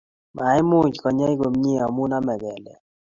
maimuchi konyei komie mamu amei kelek